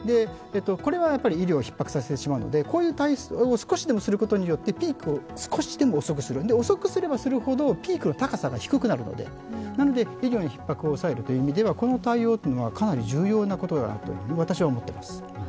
これは医療をひっ迫させてしまうのでこういう対応を少しでもすることによってピークを少しでも遅くする、遅くすればするほどピークの高さが低くなるので医療のひっ迫を抑えるという意味ではこの対応はかなり重要なことだと私は思っています。